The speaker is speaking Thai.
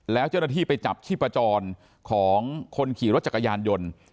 แล้วเจ้าหน้าที่ไปจับชีพจรของคนขี่รถจักรยานยนต์